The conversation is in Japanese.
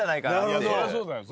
そりゃそうだよ。